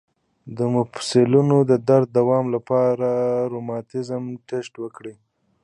د مفصلونو د درد د دوام لپاره د روماتیزم ټسټ وکړئ